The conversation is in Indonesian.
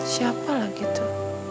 siapa lagi itu